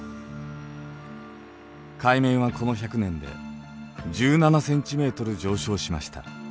海面はこの１００年で１７ｃｍ上昇しました。